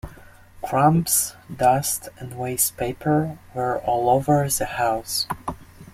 Crumbs, dust, and waste-paper were all over the house.